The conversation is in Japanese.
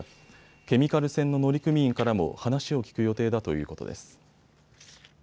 ケミカル船の乗組員からも話を聞く予定だということです。